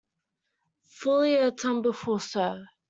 Fully a tumblerful, sir.